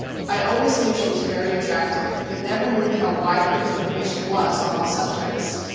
I always knew she was very attractive, but never knew how wide her information was on all subjects.